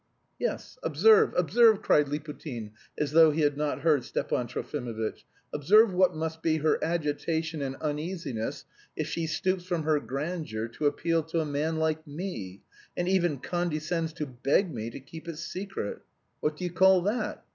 "Yes, observe, observe," cried Liputin, as though he had not heard Stepan Trofimovitch, "observe what must be her agitation and uneasiness if she stoops from her grandeur to appeal to a man like me, and even condescends to beg me to keep it secret. What do you call that?